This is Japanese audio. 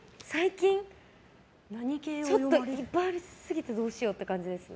いっぱいありすぎてどうしようっていう感じですね。